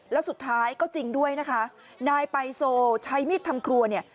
แล้วสุดท้ายก็จริงด้วยนะคะนายไปโซใช้มีดทำครัวเนี่ย